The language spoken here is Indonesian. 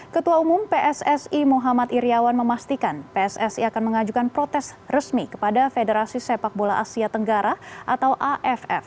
ketua umum pssi muhammad iryawan memastikan pssi akan mengajukan protes resmi kepada federasi sepak bola asia tenggara atau aff